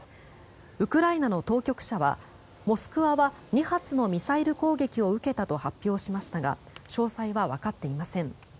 ウクライナの当局者は「モスクワ」は２発のミサイル攻撃を受けたと発表しましたが詳細はわかっていません。